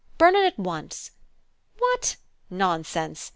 Burn it at once. What? Nonsense!